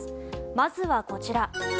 まずはこちら。